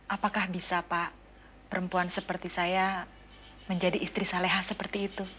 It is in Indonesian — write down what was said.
apakah bisa pak perempuan seperti saya menjadi istri saleha seperti itu